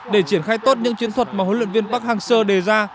để triển khai tốt những chiến thuật mà huấn luyện viên park hang seo đề ra